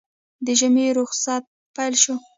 د ژمي روخصت پېل شو